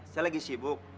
saya lagi sibuk